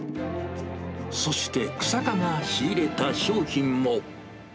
そして、日下が仕入れた商品も。